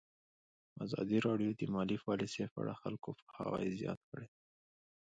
ازادي راډیو د مالي پالیسي په اړه د خلکو پوهاوی زیات کړی.